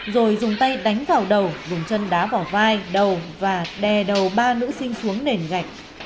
rồi dùng tay đánh vào đầu dùng chân đá vỏ vai đầu và đè đầu ba nữ sinh xuống nền gạch